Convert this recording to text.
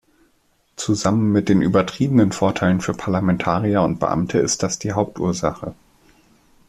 Zusammen mit den übertriebenen Vorteilen für Parlamentarier und Beamte ist das die Hauptursache.